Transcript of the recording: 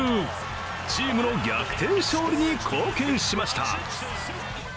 チームの逆転勝利に貢献しました。